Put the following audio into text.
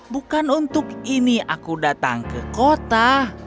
bukan untuk ini aku datang ke kota